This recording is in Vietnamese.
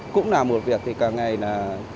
cũng làm một việc thì càng ngày là